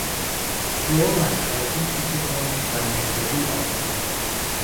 رو مسخرگی پیشه کن و مطربی آموز